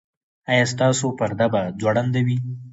ایا ستاسو پرده به ځوړنده وي؟